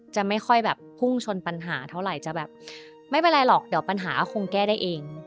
จะไม่ค่อยแบบพุ่งชนปัญหาเท่าไหร่จะแบบไม่เป็นไรหรอกเดี๋ยวปัญหาก็คงแก้ได้เอง